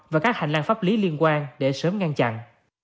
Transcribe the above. và các hành lang pháp lý liên quan để sớm ngăn chặn